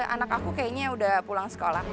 anak aku kayaknya udah pulang sekolah